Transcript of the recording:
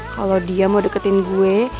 kalau dia mau deketin gue